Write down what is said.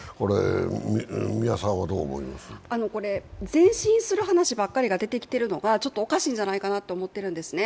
前進する話ばかりが出てきているのはおかしいんじゃないかなと思っているんですね